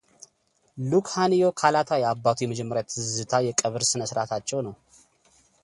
ሉክሃንዮ ካላታ የአባቱ የመጀመሪያ ትዝታ የቀብር ሥነ ሥርዓታቸው ነው።